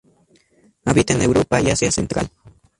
Habita en Europa y Asia Central.